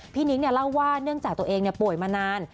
นิ้งเล่าว่าเนื่องจากตัวเองป่วยมานาน